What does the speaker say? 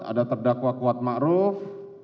ada terdakwa kuat ma'ruf